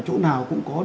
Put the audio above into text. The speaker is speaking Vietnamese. chỗ nào cũng có đường